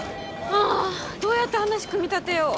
あどうやって話組み立てよう。